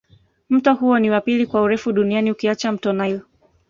Mto huo ni wa pili kwa urefu duniani ukiacha mto nile